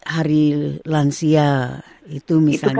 hari lansia itu misalnya